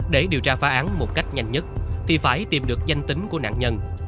để điều tra phá án một cách nhanh nhất thì phải tìm được danh tính của nạn nhân